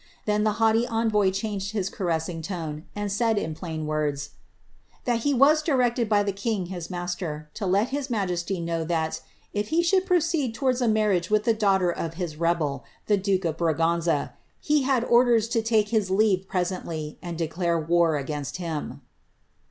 Then the haughty envoy changed his caressing tone, and said, in plain words, ^^ that he was directed by the king, his master, to let his majesty know that, if he should proceed towards a marriage with the daughter of his rebel, the duke of Braganza, he had orders to take his leave presently, and declare war against him."